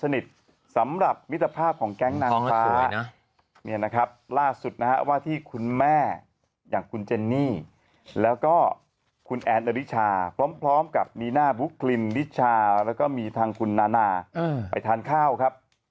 นี่นะครับล่าสุดนะฮะว่าที่คุณแม่อย่างคุณเจนี่แล้วก็คุณแอนด์อริชาพร้อมกับนีน่าบุ๊คลินอริชาแล้วก็มีทางคุณนาไปทานข้าวครับ